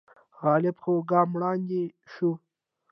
غالبه خوا ګام وړاندې شو